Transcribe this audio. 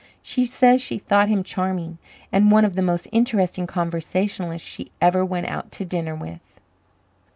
She says she thought him charming, and one of the most interesting conversationalists she ever went out to dinner with.